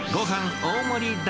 大盛りで。